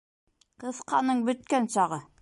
Ҡыҫҡаның бөткән сағы.